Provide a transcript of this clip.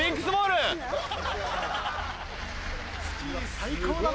最高だな！